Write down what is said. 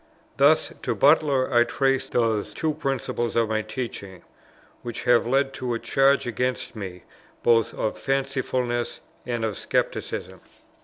Thus to Butler I trace those two principles of my teaching, which have led to a charge against me both of fancifulness and of scepticism.